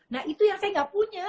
nah itu yang saya gak punya